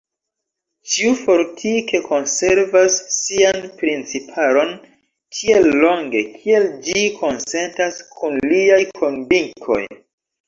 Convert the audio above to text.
Ĉiu fortike konservas sian principaron tiel longe, kiel ĝi konsentas kun liaj konvinkoj.